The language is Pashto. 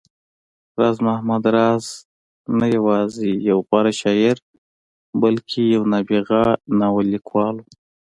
راز محمد راز نه يوازې يو غوره شاعر، بلکې يو نابغه ناول ليکوال و